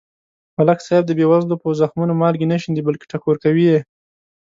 ملک صاحب د بې وزلو په زخمونو مالګې نه شیندي. بلکې ټکور کوي یې.